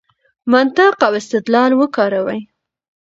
منطق او استدلال وکاروئ.